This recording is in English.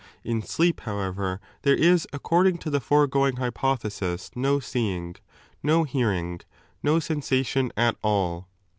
In sleep, however, there is according to the foregoing hypothesis no seeing, no hearing, no 4S9o sensation at all.